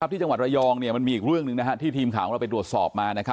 ที่จังหวัดระยองมันมีอีกเรื่องหนึ่งที่ทีมข่าวของเราไปตรวจสอบมา